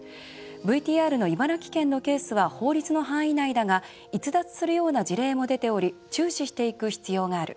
ＶＴＲの茨城県のケースは法律の範囲内だが逸脱するケースも出ており注視していく必要がある。